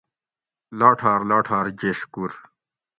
لاٹھار لاٹھار جیشکور